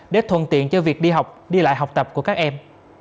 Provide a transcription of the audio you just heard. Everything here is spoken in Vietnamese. để thuận tiện cho việc đi học đi lại học tập của các em